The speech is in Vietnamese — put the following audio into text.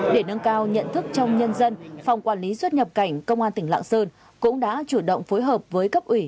để nâng cao nhận thức trong nhân dân phòng quản lý xuất nhập cảnh công an tỉnh lạng sơn cũng đã chủ động phối hợp với cấp ủy